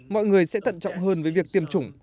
mọi người sẽ tận trọng hơn với việc tiêm chủng